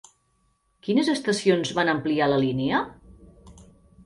Quines estacions van ampliar la línia?